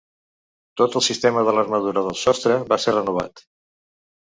Tot el sistema de l'armadura del sostre va ser renovat.